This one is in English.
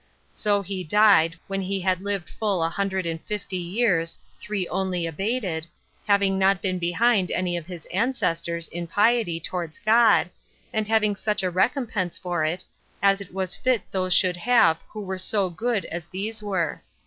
So he died, when he had lived full a hundred and fifty years, three only abated, having not been behind any of his ancestors in piety towards God, and having such a recompense for it, as it was fit those should have who were so good as these were.